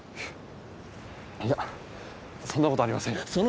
フッいやそんなことありませんよ。